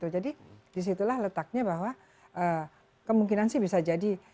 jadi disitulah letaknya bahwa kemungkinan sih bisa jadi